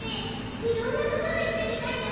いろんなところ行ってみたいな！